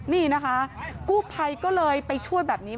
นี่นะคะกู้ภัยก็เลยไปช่วยแบบนี้